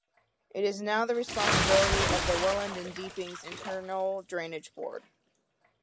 It is now the responsibility of the Welland and Deepings Internal Drainage Board.